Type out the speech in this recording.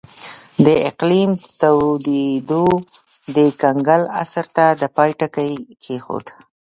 د اقلیم تودېدو د کنګل عصر ته د پای ټکی کېښود